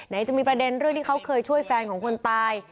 จะมีประเด็นเรื่องที่เขาเคยช่วยแฟนของคนตาย